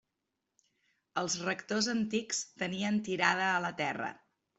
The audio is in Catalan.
Els rectors antics tenien tirada a la terra.